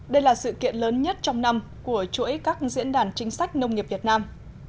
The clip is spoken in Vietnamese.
đây là sự kiện lớn nhất trong năm của chuỗi các diễn đàn chính sách nông nghiệp việt nam